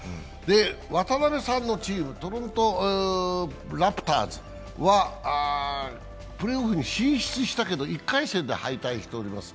渡邊さんのチーム、トロントラプターズは、プレーオフに進出したけど１回戦で敗退しております。